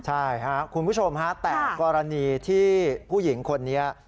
ใช่ครับคุณผู้ชมฮะแต่กรณีที่ผู้หญิงคนนี้